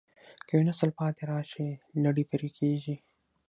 که یو نسل پاتې راشي، لړۍ پرې کېږي.